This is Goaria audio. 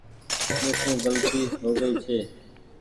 ميسو گلتي هوگئي ڇي